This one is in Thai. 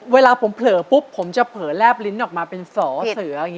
เวลาผมเผลอปุ๊บผมจะเผลอแลบลิ้นออกมาเป็นสอเสืออย่างนี้